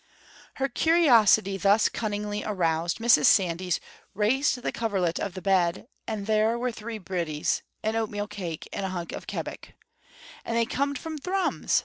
Her curiosity thus cunningly aroused, Mrs. Sandys raised the coverlet of the bed and there were three bridies, an oatmeal cake, and a hunk of kebbock. "And they comed from Thrums!"